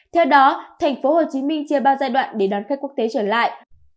theo đó thành phố hồ chí minh chia ba giai đoạn để đón khách quốc tế trở lại